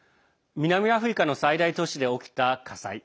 南アフリカの最大都市で起きた火災。